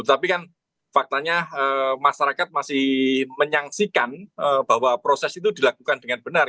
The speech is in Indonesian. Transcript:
tapi kan faktanya masyarakat masih menyaksikan bahwa proses itu dilakukan dengan benar